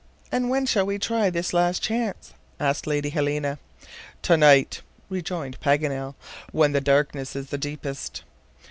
"And when shall we try this last chance?" asked Lady Helena. "To night," rejoined Paganel, "when the darkness is the deepest."